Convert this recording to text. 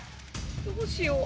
どうしよう。